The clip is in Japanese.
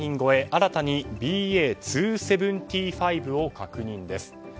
新たにＢＡ．２．７５を確認です。